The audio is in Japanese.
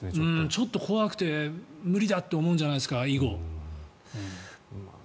ちょっと怖くて、以後無理だと思うんじゃないですか？